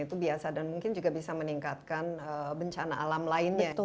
itu biasa dan mungkin juga bisa meningkatkan bencana alam lainnya